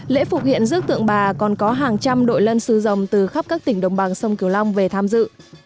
lễ phục hiện rước tượng bà còn có hàng trăm đội lân sư dòng từ khắp các tỉnh đồng bằng sông kiều long về tham dự